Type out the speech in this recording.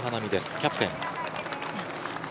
キャプテンです。